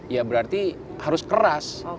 ya berarti harus keras